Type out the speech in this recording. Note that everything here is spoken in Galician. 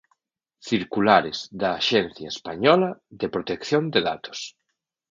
Circulares da Axencia Española de Protección de Datos.